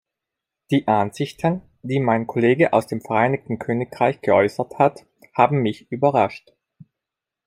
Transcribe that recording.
Die Ansichten, die mein Kollege aus dem Vereinigten Königreich geäußert hat, haben mich überrascht.